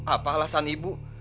apa alasan ibu